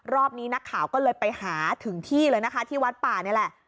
นี้นักข่าวก็เลยไปหาถึงที่เลยนะคะที่วัดป่านี่แหละ